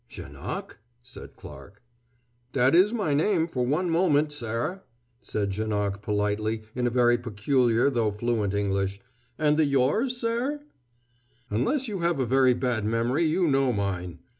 "Janoc?" said Clarke. "That is my name for one moment, sare," said Janoc politely in a very peculiar though fluent English: "and the yours, sare?" "Unless you have a very bad memory you know mine!